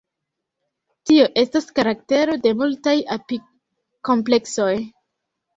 Tio estas karaktero de multaj apikompleksoj.